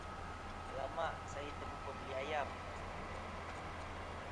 Alamak, saya terlupa beli ayam!